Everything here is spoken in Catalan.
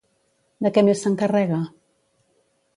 De què més s'encarrega?